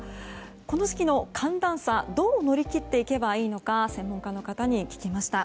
この時期の寒暖差どう乗り切っていけばいいのか専門家の方に聞きました。